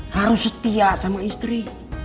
harus setia sama istri